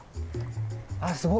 あっすごい。